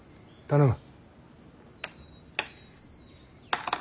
頼む。